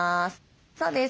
そうです。